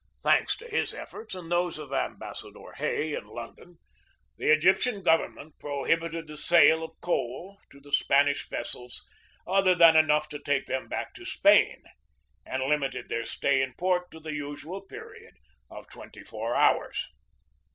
Thanks to his efforts and those of Ambassador Hay, in London, the Egyptian govern ment prohibited the sale of coal to the Spanish vessels other than enough to take them back to Spain, and limited their stay in port to the usual period of twenty four hours.